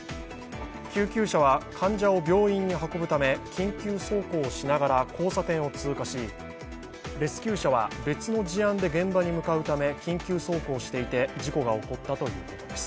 救急車は患者を病院に運ぶため緊急走行しながら交差点を通過しレスキュー車は別の事案で現場に向かうため緊急走行していて事故が起こったということです。